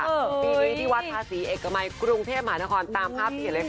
ปีนี้ที่วัดพระศรีเอกมัยกรุงเทพหมานครตามภาพมีเห็นเลยค่ะอุ๊ย